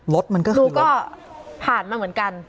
รถมันก็คือก็ผ่านมาเหมือนกัน